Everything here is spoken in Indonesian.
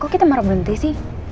kok kita marah berhenti sih